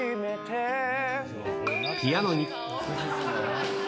ピアノに。